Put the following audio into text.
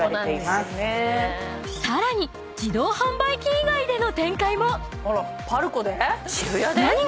［さらに自動販売機以外での展開も］